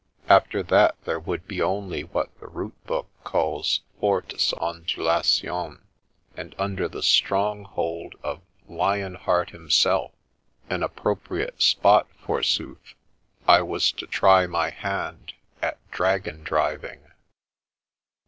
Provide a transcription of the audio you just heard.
After that there would be only what the route book calls " fortes ondulations "; and under the stronghold of 36 The Princess Passes Lion Heart himself (an appropriate spot, forsooth!) I was to try my hand at dragon driving.